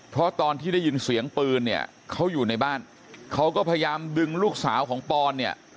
เพราะตอนที่ได้ยินเสียงปืนเนี่ยเขาอยู่ในบ้านเขาก็พยายามดึงลูกสาวของปอนเนี่ย